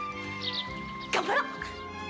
頑張ろう！